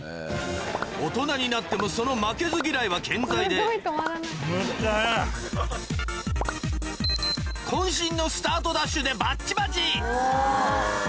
大人になってもその負けず嫌いは健在で渾身のスタートダッシュでバッチバチ！